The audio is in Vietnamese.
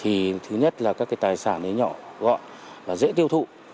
thì thứ nhất là các cái tài sản nhỏ gọn và dễ tiêu thụ